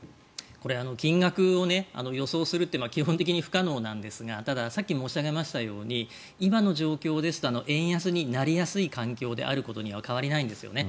これ金額を予想するって基本的に不可能なんですがさっき申し上げましたように今の状況だと円安になりやすいことに変わりないんですよね。